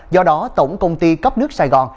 do đó tổng công ty cấp nước sài gòn